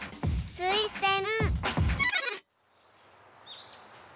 すいせん。